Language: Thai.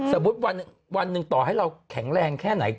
สมมุติวันหนึ่งต่อให้เราแข็งแรงแค่ไหน